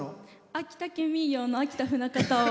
秋田県民謡の秋田船方を。